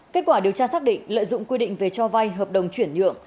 kết quả điều tra xác định lợi dụng quy định về cho vay hợp đồng chuyển nhượng